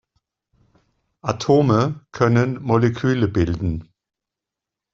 Atome können Moleküle bilden.